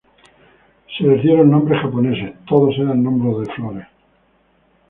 Se les dieron nombres japoneses; todos eran nombres de flores.